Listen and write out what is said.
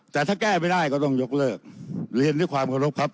แต่ถ้าแก้ไม่ได้ก็ต้องยกเลิกเรียนด้วยความเคารพครับ